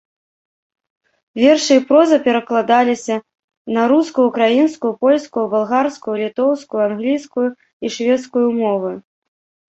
Вершы і проза перакладаліся на рускую, украінскую, польскую, балгарскую, літоўскую, англійскую і шведскую мовы.